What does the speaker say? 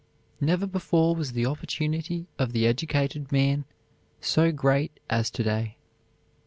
Never before was the opportunity of the educated man so great as to day.